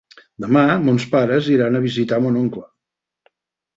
Demà mons pares iran a visitar mon oncle.